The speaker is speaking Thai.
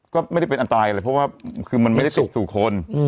ก็ไม่ได้เป็นอันตรายอะไรเพราะว่าคือมันไม่ได้ถูกสู่คน